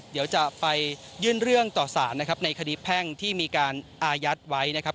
เดี๋ยวจะไปยื่นเรื่องต่อสารนะครับในคดีแพ่งที่มีการอายัดไว้นะครับ